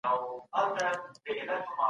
پانګوالو د ګټي په هيله نوي فابريکې پرانيستې وې.